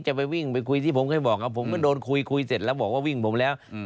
จะไปวิ่งไปคุยที่ผมเคยบอกผมก็โดนคุยคุยเสร็จแล้วบอกว่าวิ่งผมแล้ว